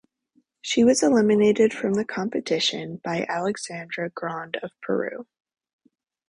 She was eliminated from the competition by Alexandra Grande of Peru.